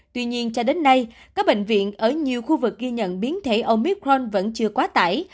tuy nhiên cho đến nay các bệnh viện ở nhiều khu vực ghi nhận biến thể omicron vẫn chưa quá tải